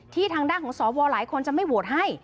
ทางด้านของสวหลายคนจะไม่โหวตให้